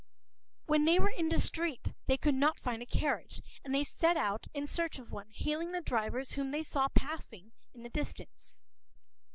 When they were in the street, they could not find a carriage, and they set out in search of one, hailing the drivers whom they saw passing in the distance.